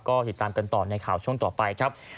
ก็ติดตามกันต่อในข่าวช่วงต่อไปครับ